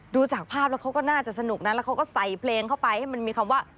ดูจากภาพแล้วเขาก็น่าจะสนุกนะแล้วเขาก็ใส่เพลงเข้าไปให้มันมีคำว่า